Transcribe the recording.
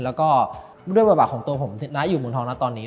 แล้วก็ด้วยประบาทของตัวผมน้อยอยู่หมุนท้องนักตอนนี้